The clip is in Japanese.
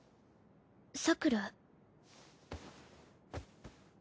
さくら？